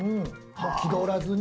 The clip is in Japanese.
もう気取らずに？